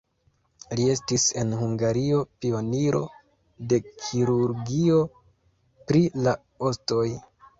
Li estis en Hungario pioniro de kirurgio pri la ostoj.